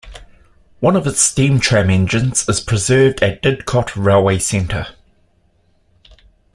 One of its steam tram engines is preserved at Didcot Railway Centre.